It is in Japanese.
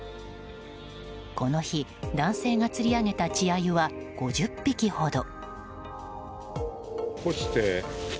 この日、男性が釣り上げた稚アユは５０匹ほど。